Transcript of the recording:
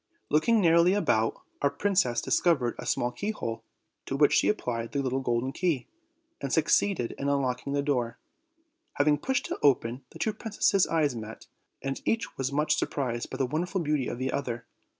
Looking narrowly about, our princess discovered a small keyhole, to which she applied the little golden key, and succeeded in unlocking the door. Having pushed it open, the two princesses' eyes met, and each was much sur prised by the wonderful beauty of the other.